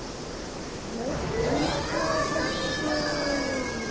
トリックオアトリート！